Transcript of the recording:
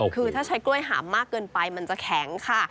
คือถ้าใช้กล้วยหามมากเกินไปมันจะแข็งค่ะ